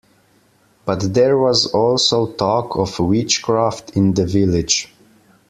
But there was also talk of witchcraft in the village.